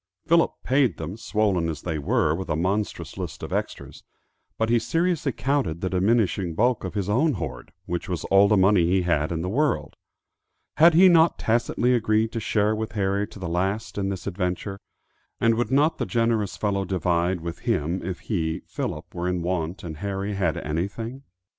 Philip paid them, swollen as they were with a monstrous list of extras; but he seriously counted the diminishing bulk of his own hoard, which was all the money he had in the world. Had he not tacitly agreed to share with Harry to the last in this adventure, and would not the generous fellow divide with him if he, Philip, were in want and Harry had anything?